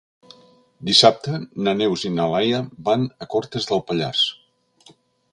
Dissabte na Neus i na Laia van a Cortes de Pallars.